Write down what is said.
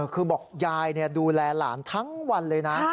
คือบอกยายดูแลหลานทั้งวันเลยนะ